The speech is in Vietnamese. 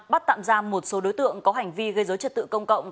bắt tạm ra một số đối tượng có hành vi gây dối trật tự công cộng